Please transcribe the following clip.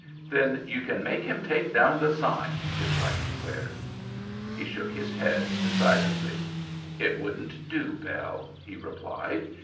"Then you can make him take down the sign!" his wife declared. He shook his head decidedly. "It wouldn't do, Belle," he replied.